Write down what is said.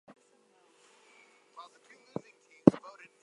In addition, one can find several self-employed persons and contractors.